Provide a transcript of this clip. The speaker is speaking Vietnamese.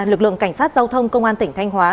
lực lượng cảnh sát giao thông công an tỉnh thanh hóa